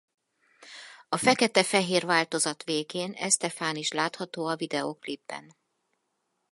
A fekete-fehér változat végén Estefan is látható a videóklipben.